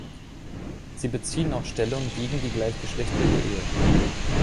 Sie beziehen auch Stellung gegen die gleichgeschlechtliche Ehe.